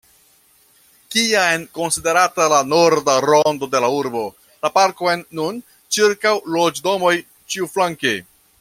Kiam konsiderata la norda rando de la urbo, la parkon nun ĉirkaŭ loĝdomoj ĉiuflanke.